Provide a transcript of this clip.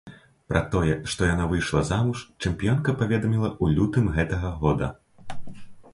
Пра тое, што яна выйшла замуж, чэмпіёнка паведаміла ў лютым гэтага года.